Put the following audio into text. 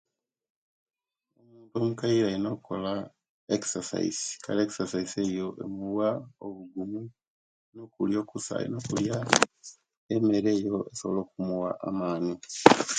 Omukaire olina o'kola exercise, kale exercise eyo emuwa obugumu nokulia okusa nokulia emere eyo esowola okumuwa amaani.